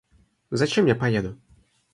Зачем я поеду?